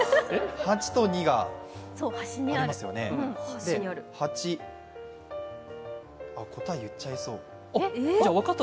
８と２がありますよね、で、８答え、言っちゃいそう。